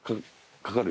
かかるよ。